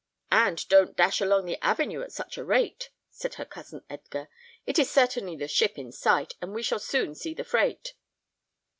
"And don't dash along the avenue at such a rate," said her cousin Edgar; "it is certainly the ship in sight, and we shall soon see the freight."